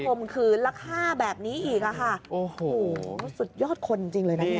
คมคืนราคาแบบนี้อีกค่ะโอ้โหสุดยอดคนจริงเลยนะ